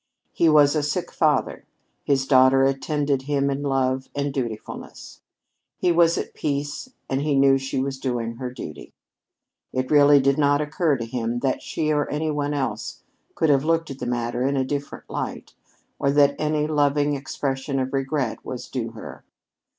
He was a sick father. His daughter attended him in love and dutifulness. He was at peace and he knew she was doing her duty. It really did not occur to him that she or any one else could have looked at the matter in a different light, or that any loving expression of regret was due her.